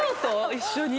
一緒に？